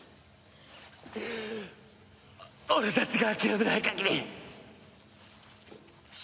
俺たちが諦めない限り。